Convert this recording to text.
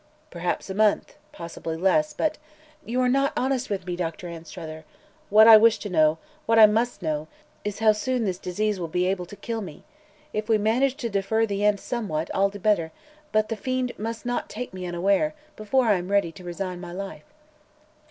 "Perhaps a month; possibly less; but " "You are not honest with me, Doctor Anstruther! What I wish to know what I must know is how soon this disease will be able to kill me. If we manage to defer the end somewhat, all the better; but the fiend must not take me unaware, before I am ready to resign my life."